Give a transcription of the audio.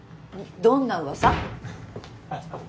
どんな噂？